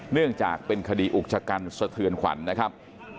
เนื่องจากเป็นคดีอุกชะกันสะเทือนขวัญนะครับ